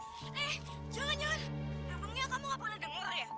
eh jangan jangan namanya kamu gak pernah denger ya